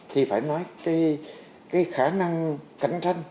thì phải nói cái khả năng cạnh tranh